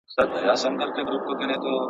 د خپلو نظرونو په اړه فکر وکړئ.